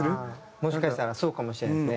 もしかしたらそうかもしれないですね。